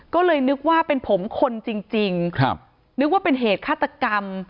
ก็เลยนึกว่าเป็นผมคนจริงครับนึกว่าเป็นเหตุฆาตกรรม